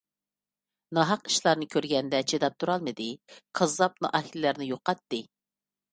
ناھەق ئىشلارنى كۆرگەندە چىداپ تۇرالمىدى، كاززاپ، نائەھلىلەرنى يوقاتتى.